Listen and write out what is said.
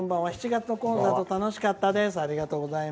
７月のコンサート楽しかったです」。